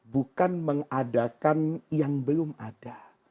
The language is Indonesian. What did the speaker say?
bukan mengadakan yang belum ada